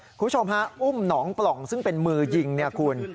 คุณผู้ชมฮะอุ้มหนองปล่องซึ่งเป็นมือยิงเนี่ยคุณ